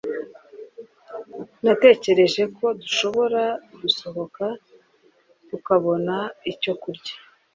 Natekereje ko dushobora gusohoka tukabona icyo kurya.